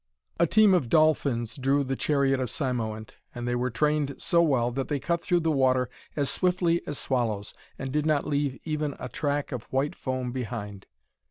A team of dolphins drew the chariot of Cymoënt, and they were trained so well that they cut through the water as swiftly as swallows, and did not even leave a track of white foam behind.